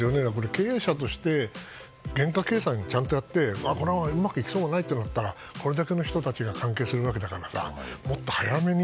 経営者として原価計算をちゃんとやってうまくいきそうもないとなったらこれだけの人たちが関係するわけだからもっと早めに。